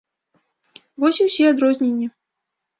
Вось і ўсе адрозненні.